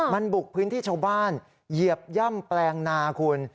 มันบุกพื้นที่ชาวบ้านเหยียบย่ำแปลงนาคุณ